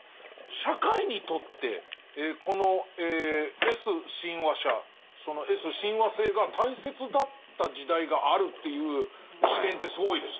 社会にとってこのＳ親和者そのＳ親和性が大切だった時代があるという視点ってすごいですね。